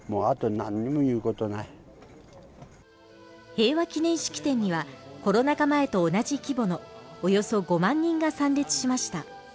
平和記念式典にはコロナ禍前と同じ規模のおよそ５万人が参列しました。